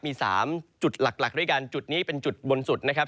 มี๓จุดหลักด้วยกันจุดนี้เป็นจุดบนสุดนะครับ